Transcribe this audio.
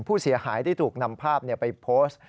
ผู้เสียหายที่ถูกนำภาพไปโพสต์